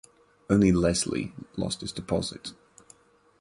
Only Leslie lost his deposit.